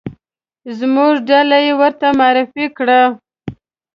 زموږ ډله یې ورته معرفي کړه.